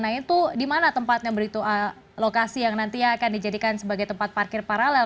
nah itu dimana tempatnya beritu lokasi yang nanti akan dijadikan sebagai tempat parkir paralel